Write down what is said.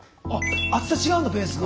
厚さ違うんだベースが。